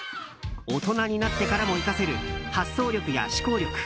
大人になってからも生かせる発想力や思考力